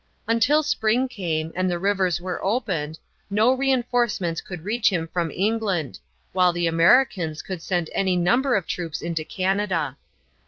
Until spring came, and the rivers were opened, no re enforcements could reach him from England, while the Americans could send any number of troops into Canada.